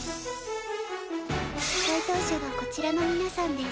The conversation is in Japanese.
解答者はこちらの皆さんです。